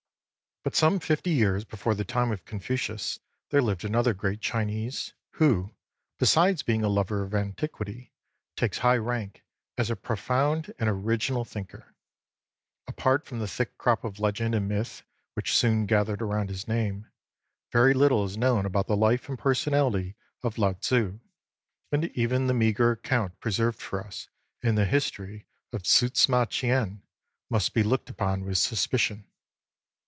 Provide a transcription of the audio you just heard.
But some fifty years before the time of Confucius there lived another great Chinese, who, besides being a lover of antiquity, takes high rank as a profound and original thinker. Apart from the thick crop of legend and myth which soon gathered round his name, very little is known about the life and personality of Lao Tzd, and even the meagre account preserved for us in the history of SsM ma Ch'ien must be looked upon with suspicion.